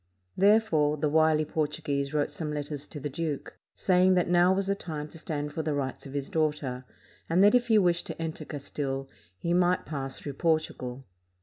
Therefore, the wily Portu guese wrote some letters to the duke, saying that now was the time to stand for the rights of his daughter, and that if he wished to enter Castile, he might pass through Portugal.